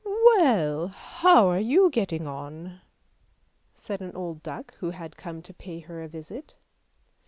" Well, how are you getting on? " said an old duck who had come to pay her a visit.